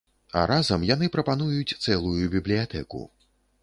А разам яны прапануюць цэлую бібліятэку.